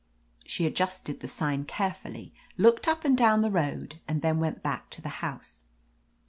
She adjusted the sign care fully, looked up and down the road, and then went back to the house.